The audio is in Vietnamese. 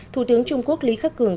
thủ tướng trung quốc lý khắc cường